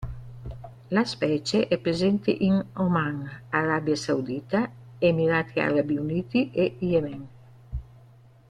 La specie è presente in Oman, Arabia Saudita, Emirati Arabi Uniti e Yemen.